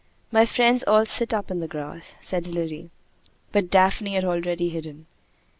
"My friends all sit up in the grass," said Hilary. But Daphne had already hidden.